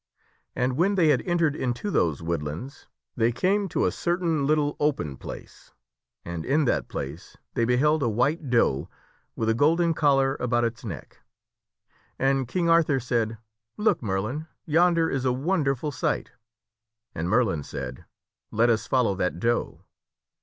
And when they had entered into those woodlands they came to a certain KING ARTHUR FEASTS IN THE FOREST 67 little open place, and in that place they beheld a white doe with a golden collar about its neck. And King Arthur said, "Look, Merlin, yonder is a wonderful sight." And Merlin said, " Let us follow that doe."